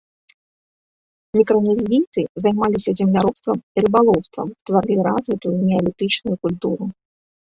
Мікранезійцы займаліся земляробствам і рыбалоўствам, стварылі развітую неалітычную культуру.